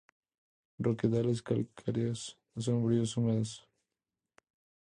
Roquedales calcáreos sombríos, húmedos.